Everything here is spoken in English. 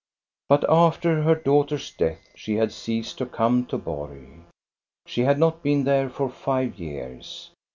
But after her daughter's death she had ceased to come to Borg. She had not been there for five years.